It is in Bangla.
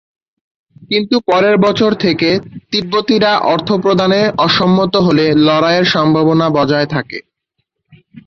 কিন্তু পরের বছর থেকে তিব্বতীরা অর্থ প্রদানে অসম্মত হলে লড়াইয়ের সম্ভাবনা বজায় থাকে।